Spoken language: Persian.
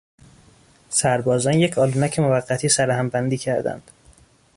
سربازان یک آلونک موقتی سرهم بندی کردند.